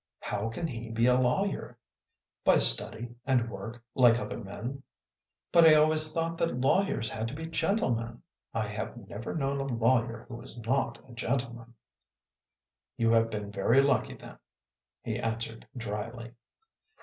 " How can he be a lawyer? "" By study and work like other men." " But I always thought that lawyers had to be gentle men. I have never known a lawyer who was not a gentleman." " You have been very lucky then," he answered dryly.